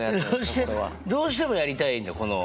これは。どうしてもやりたいんだこの。